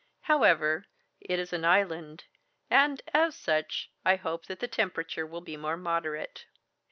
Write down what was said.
However, it is an island, and as such, I hope that the temperature will be more moderate."